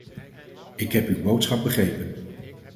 Ik heb uw boodschap begrepen.